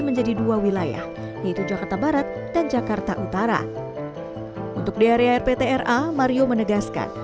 menjadi dua wilayah yaitu jakarta barat dan jakarta utara untuk di area rptra mario menegaskan